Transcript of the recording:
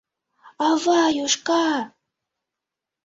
— Аваюшка!